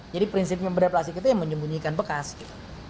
jadi prinsipnya bedah plastik itu yang menyembunyikan bekas gitu